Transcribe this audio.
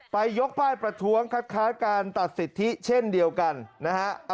ยกป้ายประท้วงคัดค้านการตัดสิทธิเช่นเดียวกันนะฮะ